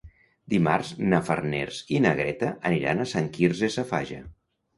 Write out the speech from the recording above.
Dimarts na Farners i na Greta aniran a Sant Quirze Safaja.